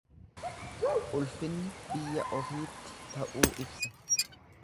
Ulfinni biyya ofiitti ta'uu ibsa.